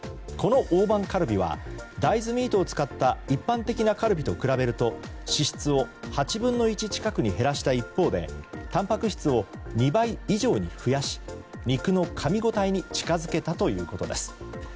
この大判カルビは大豆ミートを使った一般的なカルビと比べると脂質を８分の１近くに減らした一方でたんぱく質を２倍以上に増やし肉のかみ応えに近づけたということです。